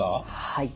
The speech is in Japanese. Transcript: はい。